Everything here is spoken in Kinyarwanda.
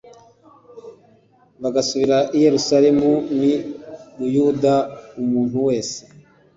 Bagasubira i yerusalemu n i buyuda umuntu wese